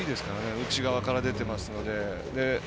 内側から出ていますので。